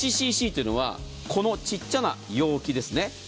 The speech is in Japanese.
１ｃｃというのはこのちっちゃな容器です。